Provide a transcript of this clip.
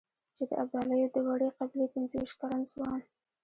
چې د ابدالیو د وړې قبيلې پنځه وېشت کلن ځوان.